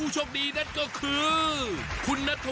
เชิญเลยค่ะ